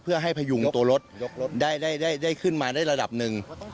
เพื่อให้พยุงตัวรถได้ขึ้นมาได้ระดับหนึ่ง